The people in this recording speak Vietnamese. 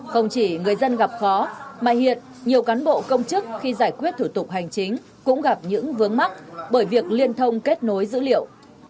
không chỉ người dân gặp khó mà hiện nhiều cán bộ công chức khi giải quyết thủ tục hành chính cũng gặp những vướng mắt bởi việc liên thông kết nối dữ liệu